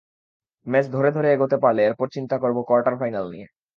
Match ধরে ধরে এগোতে পারলে এরপর চিন্তা করব কোয়ার্টার ফাইনাল নিয়ে।